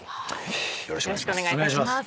よろしくお願いします。